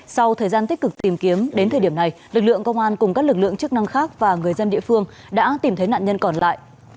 sau thời gian tích cực tìm kiếm đến thời điểm này lực lượng công an cùng các lực lượng chức năng khác và người dân địa phương đã tìm thấy nạn nhân còn lại